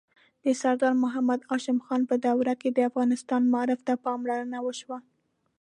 د سردار محمد هاشم خان په دوره کې د افغانستان معارف ته پاملرنه وشوه.